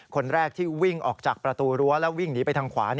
คนแรกที่วิ่งออกจากประตูรั้วแล้ววิ่งหนีไปทางขวา